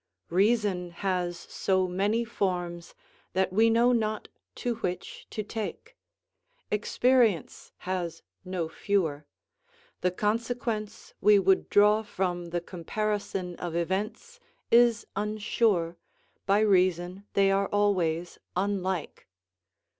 Reason has so many forms that we know not to which to take; experience has no fewer; the consequence we would draw from the comparison of events is unsure, by reason they are always unlike.